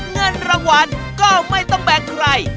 เงินรางวัลก็ไม่ต้องแบ่งใคร